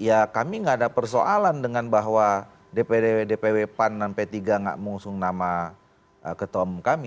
ya kami nggak ada persoalan dengan bahwa dpd dpw pan dan p tiga nggak mengusung nama ketua umum kami